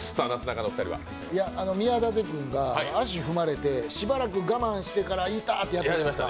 宮舘君が足踏まれて、しばらく我慢してから痛ってやってたじゃないですか。